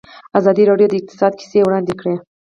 ازادي راډیو د اقتصاد کیسې وړاندې کړي.